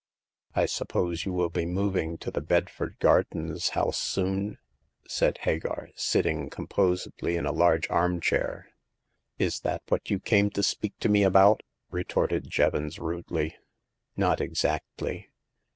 I suppose you will be moving to the Bedford Gardens house soon ?" said Hagar, sitting com posedly in a large arm chair. Is that what you came to speak to me about ?" retorted Jevons, rudely. " Not exactly.